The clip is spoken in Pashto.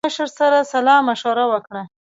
لوی مشر سره سلا مشوره وکړه.